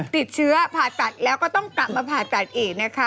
ติดเชื้อผ่าตัดแล้วก็ต้องกลับมาผ่าตัดอีกนะคะ